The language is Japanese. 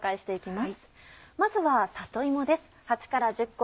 まずは里芋です。